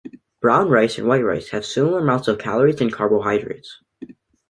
Brown rice and white rice have similar amounts of calories and carbohydrates.